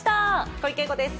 小池栄子です。